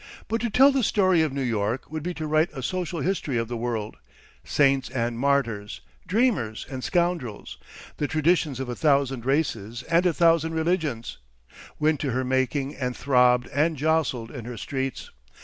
But to tell the story of New York would be to write a social history of the world; saints and martyrs, dreamers and scoundrels, the traditions of a thousand races and a thousand religions, went to her making and throbbed and jostled in her streets.